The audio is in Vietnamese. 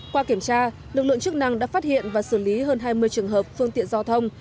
qua kiểm tra lực lượng chức năng đã phát hiện và xử lý hơn hai mươi trường hợp phương tiện giao thông